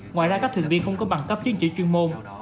ngoài ra các thuyền viên không có bằng cấp chứng chỉ chuyên môn